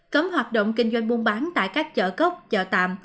cấm hoạt động kinh doanh buôn bán tại các chợ cốc chợ tạm